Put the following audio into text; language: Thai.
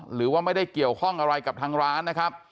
หรือว่าไม่ได้เกี่ยวข้องอะไรกับทางร้านนะครับ